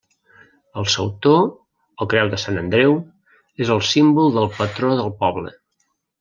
El sautor, o creu de Sant Andreu, és el símbol del patró del poble.